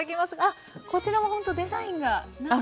あっこちらもほんとデザインが。